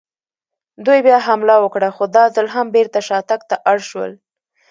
دوی بیا حمله وکړه، خو دا ځل هم بېرته شاتګ ته اړ شول.